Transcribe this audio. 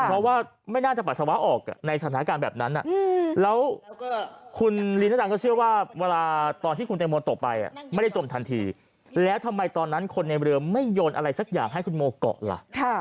เพราะว่าไม่น่าจะปัสสาวะออกในสถานการณ์แบบนั้นแล้วคุณลีน่าจังก็เชื่อว่าเวลาตอนที่คุณแตงโมตกไปไม่ได้จมทันทีแล้วทำไมตอนนั้นคนในเรือไม่โยนอะไรสักอย่างให้คุณโมเกาะล่ะ